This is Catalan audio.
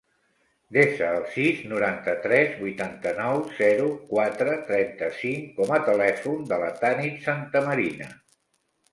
Desa el sis, noranta-tres, vuitanta-nou, zero, quatre, trenta-cinc com a telèfon de la Tanit Santamarina.